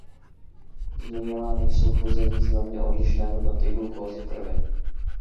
Zmiňovány jsou pouze významně odlišné hodnoty glukózy v krvi.